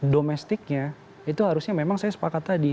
domestiknya itu harusnya memang saya sepakat tadi